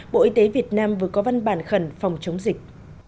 bộ y tế việt nam vừa có văn bản khẩn phòng chống dịch